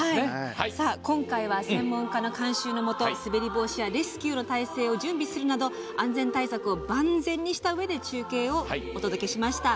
今回は専門家の監修のもと滑り防止やレスキューの体制を準備するなど安全対策を万全にしたうえで中継をお届けしました。